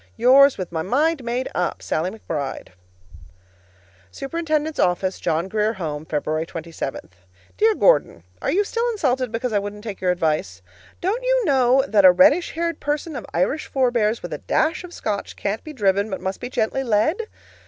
Yours, With my mind made up, SALLIE McBRIDE. SUP'T'S OFFICE, JOHN GRIER HOME, February 27. Dear Gordon: Are you still insulted because I wouldn't take your advice? Don't you know that a reddish haired person of Irish forebears, with a dash of Scotch, can't be driven, but must be gently led?